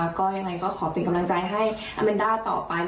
ก็ยังไงก็ขอเป็นกำลังใจให้อาเมนด้าต่อไป